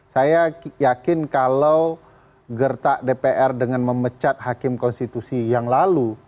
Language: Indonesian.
saya yakin kalau gertak dpr dengan memecat hakim konstitusi yang lalu